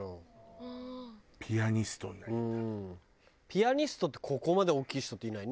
ピアニストってここまで大きい人っていない。